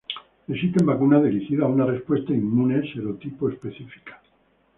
Existen vacunas dirigidas a una respuesta inmune serotipo específica.